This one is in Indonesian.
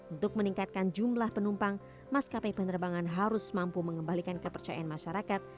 untuk meningkatkan jumlah penumpang maskapai penerbangan harus mampu mengembalikan kepercayaan masyarakat